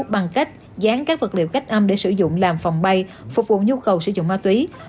bằng cách dán các vật liệu khách âm để sử dụng làm phòng bay phục vụ nhu cầu sử dụng ma túy